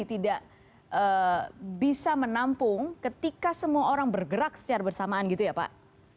tidak bisa menampung ketika semua orang bergerak secara bersamaan gitu ya pak